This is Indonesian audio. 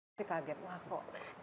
masih kaget wah kok